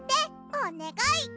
おねがい！